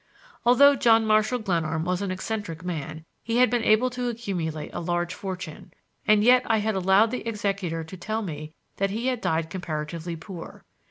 Although John Marshall Glenarm was an eccentric man, he had been able to accumulate a large fortune; and yet I had allowed the executor to tell me that he had died comparatively poor.